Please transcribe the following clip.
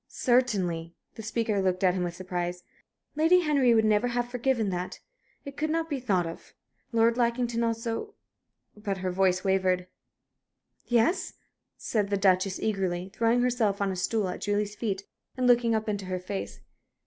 "Certainly." The speaker looked at him with surprise. "Lady Henry would never have forgiven that. It could not be thought of. Lord Lackington also" but her voice wavered. "Yes?" said the Duchess, eagerly, throwing herself on a stool at Julie's feet and looking up into her face.